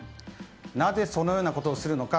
なぜ、そのようなことをするのか。